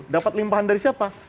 dapat limpahan dari siapa